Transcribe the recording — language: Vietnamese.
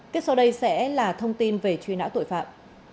tiếp sau đây sẽ là thông tin về truy nã tội phạm